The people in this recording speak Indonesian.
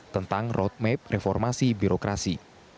tentang roadmap reformasi birokrasi